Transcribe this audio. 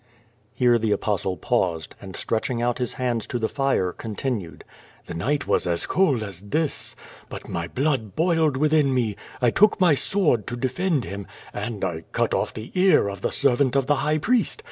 Here the Apostle paused, and stretching out his hands to the fire, continued: *'The night was as cold as this. But my lilood boiled within me. 1 took my sword to defend Him, and 1 cut oir the ear of the servant of the High Priest.